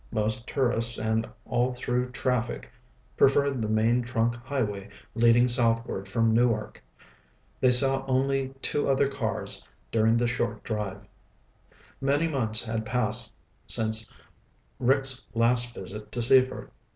Most tourists and all through traffic preferred the main trunk highway leading southward from Newark. They saw only two other cars during the short drive. Many months had passed since Rick's last visit to Seaford.